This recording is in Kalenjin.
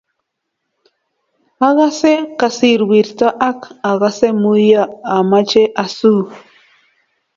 Agose kasirwirto ak agose muyo amache asuu.